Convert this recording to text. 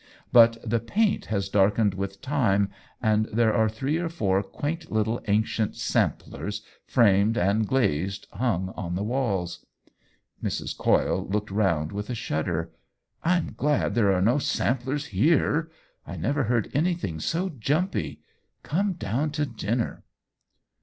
But the paint has darkened with time, and there are three or four quaint little ancient * samplers,' framed and glazed, hung on the walls." Mrs. Coyle looked round with a shudder. " I'm glad there are no samplers here ! I never heard anything so jumpy! Come down to dinner."